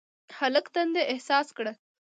هلک تنده احساس کړه.